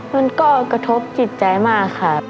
มันก็กระทบจิตใจมากครับ